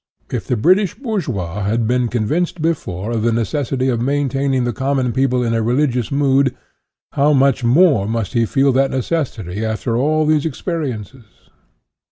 Jl the British bourgeois had been con INTRODUCTION 37 vinced before of the necessity of maintaining th* common people in a religious mood, how much more must he feel that necessity after all these experiences?